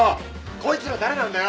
こいつら誰なんだよ！